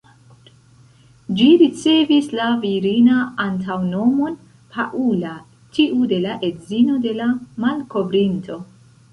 Ĝi ricevis la virina antaŭnomon ""Paula"", tiu de la edzino de la malkovrinto.